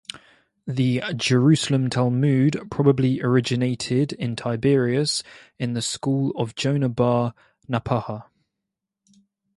The Jerusalem Talmud probably originated in Tiberias in the School of Johanan bar Nappaha.